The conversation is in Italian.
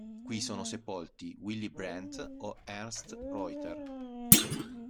Qui sono sepolti Willy Brandt o Ernst Reuter.